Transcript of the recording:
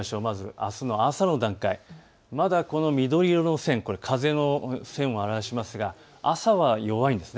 あすの朝の段階、この緑色の線、風の線を表していますが朝は弱いんです。